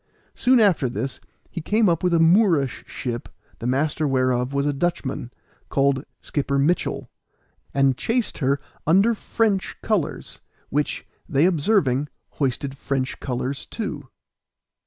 Soon after this he came up with a Moorish ship, the master whereof was a Dutchman, called Schipper Mitchel, and chased her under French colors, which, they observing, hoisted French colors too.